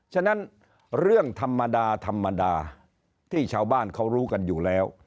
ฉะนั้นเรื่องธรรมดาธรรมดาที่ชาวบ้านเขารู้กันอยู่แล้ว